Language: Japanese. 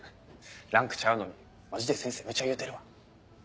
ランクちゃうのにマジで先生ムチャ言うてるわ。